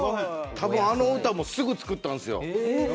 あの歌もすぐ作ったんですよ。